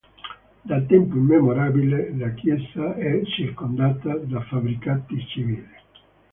Da tempo immemorabile la chiesa è circondata da fabbricati civili.